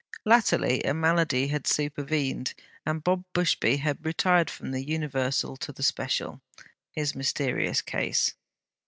Latterly a malady had supervened, and Bob Busby had retired from the universal to the special; his mysterious case.